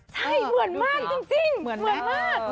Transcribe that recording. ใช่เหมือนมากจริงเหมือนมาก